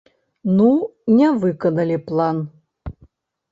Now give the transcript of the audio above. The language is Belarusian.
Ну, не выканалі план.